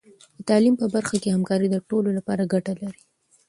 د تعلیم په برخه کې همکاري د ټولو لپاره ګټه لري.